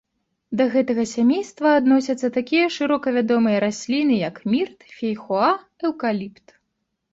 Да гэтага сямейства адносяцца такія шырока вядомыя расліны, як мірт, фейхоа, эўкаліпт.